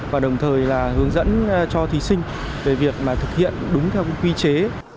và đồng thời là hướng dẫn cho thí sinh về việc thực hiện đúng theo quy chế